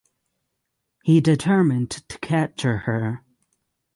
He determined to capture her.